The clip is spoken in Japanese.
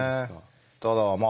ただまあ